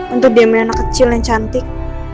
untuk dia minum anak kecil yang cantik